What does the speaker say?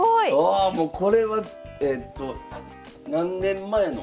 わこれはえっと何年前の？